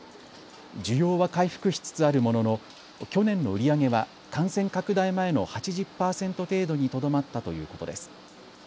需要は回復しつつあるものの去年の売り上げは感染拡大前の８０％程度にとどまったということです。